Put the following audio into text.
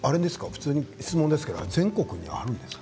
普通に質問ですが全国にあるんですか？